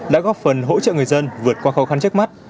đã góp phần hỗ trợ người dân vượt qua khó khăn trước mắt